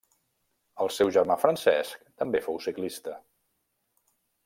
El seu germà Francesc també fou ciclista.